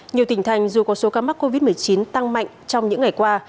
nhiều tỉnh thành dù có số ca mắc covid một mươi chín tăng mạnh trong những ngày qua